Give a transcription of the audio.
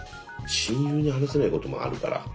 親友に話せないこともあるから。